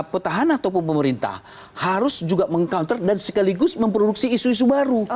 petahana ataupun pemerintah harus juga meng counter dan sekaligus memproduksi isu isu baru